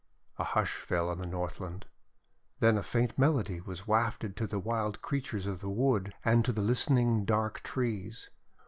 A hush fell on the Northland. Then a faint melody was wafted to the wild creatures of the wood, and to the listening dark trees.